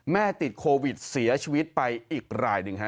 ติดโควิดเสียชีวิตไปอีกรายหนึ่งฮะ